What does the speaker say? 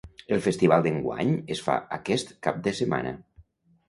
El festival d’enguany es fa aquest cap de setmana.